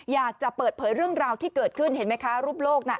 อยากจะเปิดเผยเรื่องราวที่เกิดขึ้นเห็นไหมคะรูปโลกน่ะ